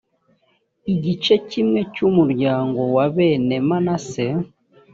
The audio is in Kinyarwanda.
igice kimwe cy’umuryango wa bene manase